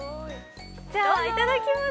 ◆じゃあ、いただきます。